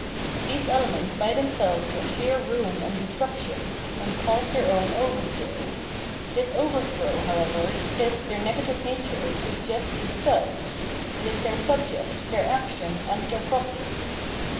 These elements by themselves are sheer ruin and destruction, and cause their own over throw. This overthrow, however, this their negative nature, is just the self ; it is their subject, their action, and their process.